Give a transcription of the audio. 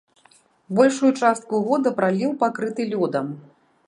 Большую частку года праліў пакрыты лёдам.